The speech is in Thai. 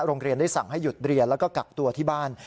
ได้สั่งให้หยุดเรียนแล้วก็กักตัวที่บ้าน